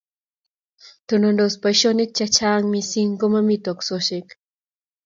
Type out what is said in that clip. Tonondos boishionik che chang mising komomi teksosiek